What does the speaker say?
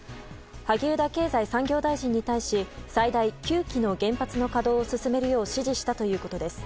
萩生田経済産業大臣に対し最大９基の原発の稼働を進めるよう指示したということです。